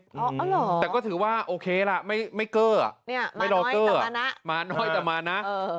อ๋อเหรอแต่ก็ถือว่าโอเคล่ะไม่เกอร์ไม่รอเกอร์มาน้อยแต่มานะ